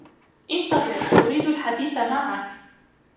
انتظر. أريد الحديث معك.